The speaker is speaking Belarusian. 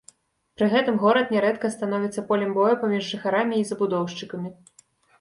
Пры гэтым горад нярэдка становіцца полем бою паміж жыхарамі і забудоўшчыкамі.